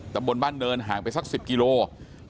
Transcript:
แต่บนบ้านเดินห่างไปสักสิบกิโลกรัม